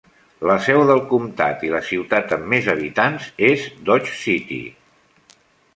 La seu del comptat i la ciutat amb més habitants és Dodge City.